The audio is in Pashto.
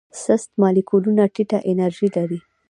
سست مالیکولونه ټیټه انرژي لري.